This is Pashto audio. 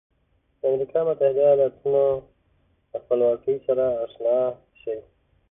د امریکا متحده ایالتونو له خپلواکۍ سره آشنا شئ.